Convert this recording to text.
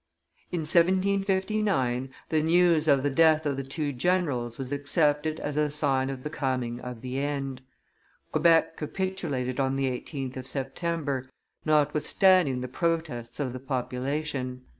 In 1759, the news of the death of the two generals was accepted as a sign of the coming of the end. Quebec capitulated on the 18th of September, notwithstanding the protests of the population.